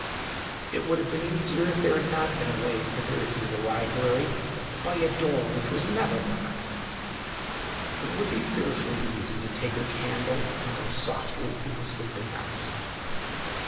It would have been easier if there had not been a way thither through the library, by a door which was never locked. It would be fearfully easy to take her candle and go softly through the sleeping house.